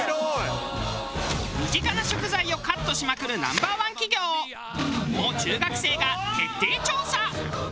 身近な食材をカットしまくるＮｏ．１企業をもう中学生が徹底調査。